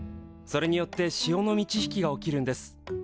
それによって潮の満ち引きが起きるんです。